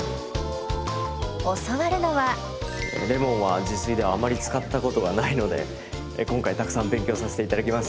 教わるのはレモンは自炊ではあまり使ったことがないので今回たくさん勉強させて頂きます！